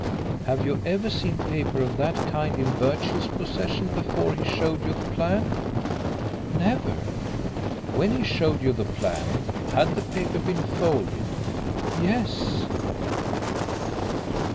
"Have you ever seen paper of that kind in Birchill's possession before he showed you the plan?" "Never." "When he showed you the plan had the paper been folded?" "Yes."